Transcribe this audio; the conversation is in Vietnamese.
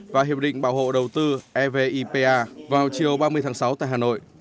và hiệp định bảo hộ đầu tư evipa vào chiều ba mươi tháng sáu tại hà nội